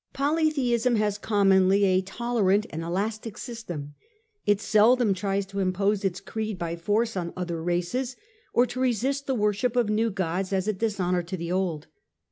Polytheism has commonly a tolerant and elastic system. It seldom tries to impose its creed by force on other races, or to resist the worship of new gods as a dishonour to the old.